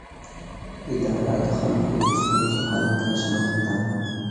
اداره د خلکو د ستونزو حل ته ژمنه ده.